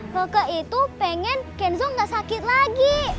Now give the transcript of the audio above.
kakak itu pengen kenzo gak sakit lagi